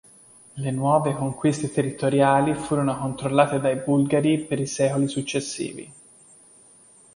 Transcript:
Le nuove conquiste territoriali furono controllate dai bulgari per i secoli successivi.